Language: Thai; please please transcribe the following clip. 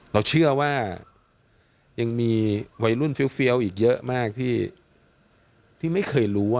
เราเชื่อว่ายังมีวัยรุ่นเฟี้ยวอีกเยอะมากที่ไม่เคยรู้